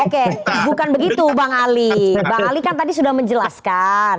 oke bukan begitu bang ali bang ali kan tadi sudah menjelaskan